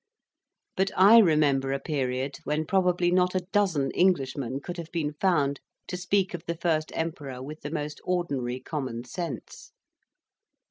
But I remember a period when probably not a dozen Englishmen could have been found to speak of the first Emperor with the most ordinary common sense.